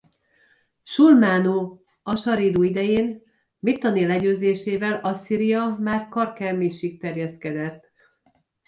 Sulmánu-asarídu idején Mitanni legyőzésével Asszíria már Karkemisig terjeszkedett.